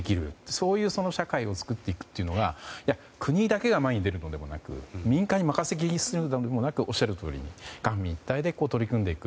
そういう社会を作っていくというのが国だけが前に出るのではなくて民間に任せきりにするのでもなくおっしゃるとおりに官民一体で取り組んでいく。